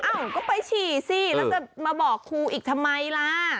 ก็ไปฉี่สิแล้วจะมาบอกครูอีกทำไมล่ะ